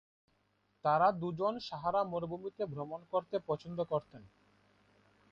তারা দুজন সাহারা মরুভূমিতে ভ্রমণ করতে পছন্দ করতেন।